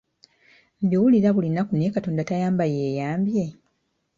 Mbiwulira buli lunaku naye katonda tayamba yeyambye?